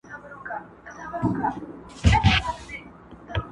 لکه ګل په پرېشانۍ کي مي خندا ده!!